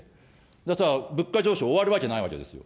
じゃあ物価上昇終わるわけないんですよ。